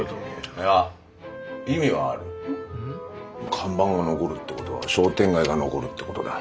看板が残るってことは商店街が残るってことだ。